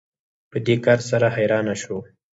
په دې کار سره حیرانه شو